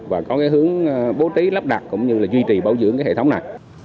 và có hướng bố trí lắp đặt cũng như duy trì bảo dưỡng hệ thống này